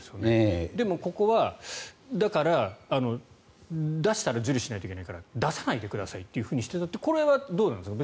でもここは、だから出したら受理しないといけないから出さないでくださいとしていたとこれはどうなんですか？